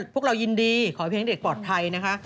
พวกเรายินดีขอให้เพียงเด็กปลอดภัยนะคะ